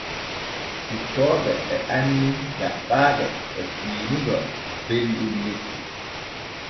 Cippooɓe e anni jaɓɓaaɗe e fiinigo belɗum lekki.